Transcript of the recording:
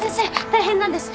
大変なんです。